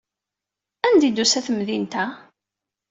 Anda ay d-tusa temdint-a?